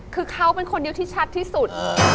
คือเขาเป็นคนเดียวที่ชัดที่สุด